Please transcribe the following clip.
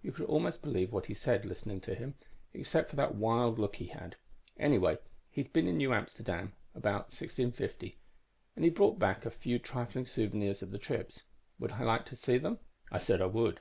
You could almost believe what he said, listening to him, except for that wild look he had. Anyway, he'd been in New Amsterdam about 1650, and he'd brought back a few trifling souvenirs of the trips. Would I like to see them? I said I would.